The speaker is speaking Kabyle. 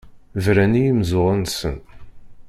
Bran i yimeẓẓuɣen-nsen.